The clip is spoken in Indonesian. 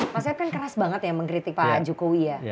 pak sep kan keras banget ya mengkritik pak jokowi ya